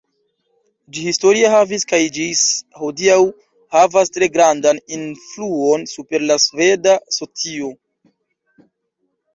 Ĝi historie havis kaj ĝis hodiaŭ havas tre grandan influon super la sveda socio.